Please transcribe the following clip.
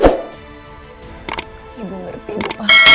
ibu ngerti bu